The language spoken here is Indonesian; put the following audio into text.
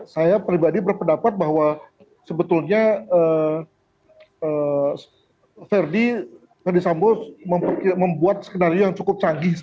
saya pribadi berpendapat bahwa sebetulnya verdi sambo membuat skenario yang cukup canggih